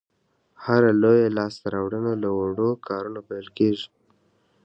هره لویه لاسته راوړنه له وړو کارونو پیل کېږي.